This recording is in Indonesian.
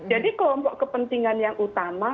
jadi kelompok kepentingan yang utama